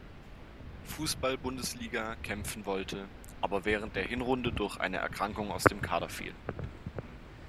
Fußball-Bundesliga kämpfen wollte, aber während der Hinrunde durch eine Erkrankung aus dem Kader fiel.